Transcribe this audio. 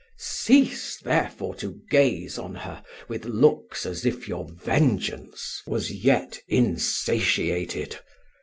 Cease, therefore, to gaze on her with looks as if your vengeance was yet insatiated.